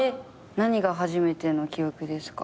何が初めての記憶ですか？